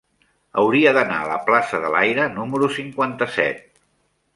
Hauria d'anar a la plaça de l'Aire número cinquanta-set.